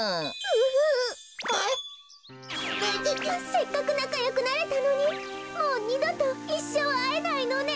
せっかくなかよくなれたのにもうにどといっしょうあえないのね。